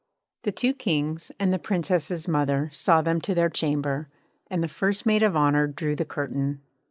The two Kings and the Princess's mother saw them to their chamber, and the first maid of honour drew the curtain.